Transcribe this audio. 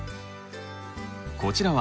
こちらは